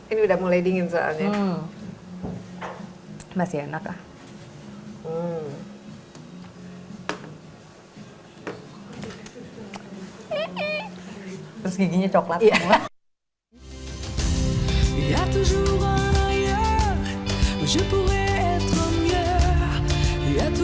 ini sudah mulai dingin soalnya